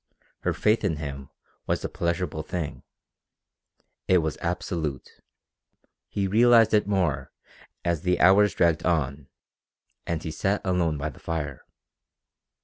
Her faith in him was a pleasurable thing. It was absolute. He realized it more as the hours dragged on and he sat alone by the fire.